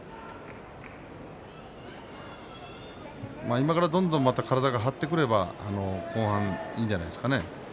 今からどんどん体が張ってくれば後半、いいんじゃないですかね。